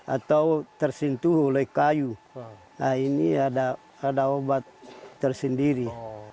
atau tersentuh oleh kayu nah ini ada obat tersendiri